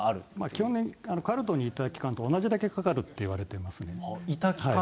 基本的にカルトにいた期間と同じだけかかるっていわれていますね。